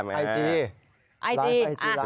ไลฟ์ไอจีไลฟ์ไอจีไลฟ์